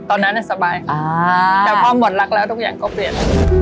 ตอนนั้นสบายแต่พอหมดรักแล้วทุกอย่างก็เปลี่ยน